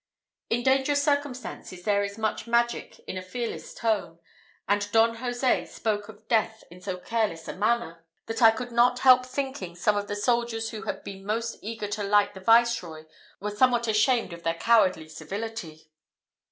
In dangerous circumstances there is much magic in a fearless tone; and Don Jose spoke of death in so careless a manner, that I could not help thinking some of the soldiers who had been most eager to light the Viceroy were somewhat ashamed of their cowardly civility.